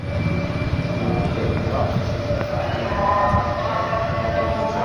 Dia juga menderita cedera tangan yang menghambat permainannya.